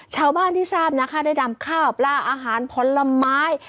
ชาวบ้านที่ทราบนะคะได้ดำข้าวปลาอาหารผลไม้